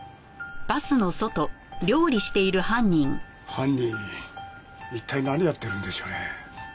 犯人一体何やってるんでしょうね？